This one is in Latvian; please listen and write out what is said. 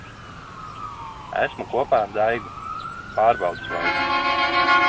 Esmu kopā ar Daigu. Pārbaudes laiks.